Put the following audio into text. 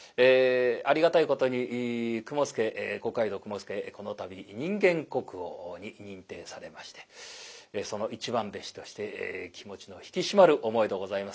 ありがたいことに雲助五街道雲助この度人間国宝に認定されましてその一番弟子として気持ちの引き締まる思いでございます。